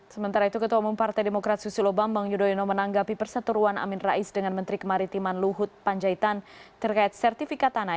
sementara itu ketua umum partai demokrat susilo bambang yudhoyono menanggapi perseteruan amin rais dengan menteri kemaritiman luhut panjaitan terkait sertifikat tanah